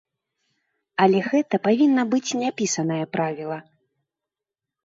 Але гэта павінна быць няпісанае правіла.